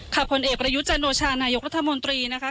ค่ะผลเอกระยุจจานโนชานายกรุธมนตรีนะคะ